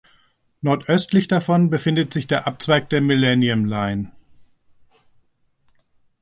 Nordöstlich davon befindet sich der Abzweig der Millennium Line.